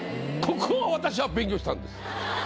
ここは私は勉強したんです！